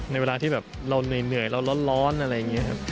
เวลาที่แบบเราเหนื่อยเราร้อนอะไรอย่างนี้ครับ